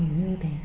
mình như thế